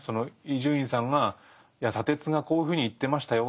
伊集院さんが「いや砂鉄がこういうふうに言ってましたよ。